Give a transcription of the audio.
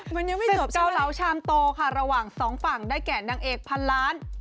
มันยังไม่จบเกาเหลาชามโตค่ะระหว่างสองฝั่งได้แก่นางเอกพันล้าน